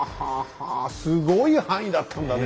すごい範囲だったんだね